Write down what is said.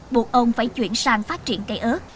buộc ông phải chuyển sang phát triển cây ớt